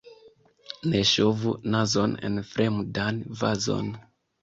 Ne ŝovu nazon en fremdan vazon.